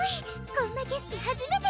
こんな景色はじめて！